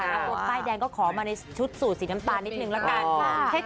โพสต์ป้ายแดงก็ขอมาในชุดสูตรสีน้ำตาลนิดนึงละกัน